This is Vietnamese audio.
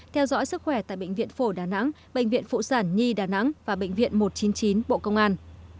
theo dõi sức khỏe tại bệnh viện phổ đà nẵng bệnh viện phụ sản nhi đà nẵng và bệnh viện một trăm chín mươi chín bộ công an